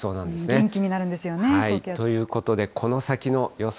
天気になるんですよね、高気圧。ということでこの先の予想